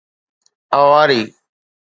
اواري